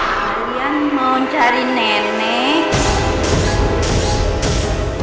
kalian mau cari nenek